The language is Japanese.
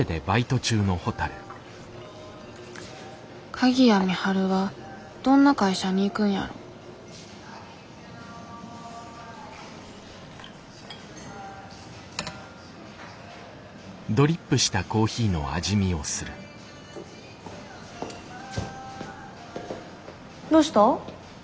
鍵谷美晴はどんな会社に行くんやろどうした？